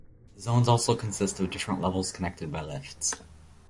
The zones also consist of different levels connected by lifts.